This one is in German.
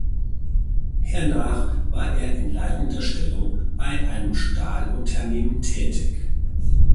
Hernach war er in leitender Stellung bei einem Stahlunternehmen tätig.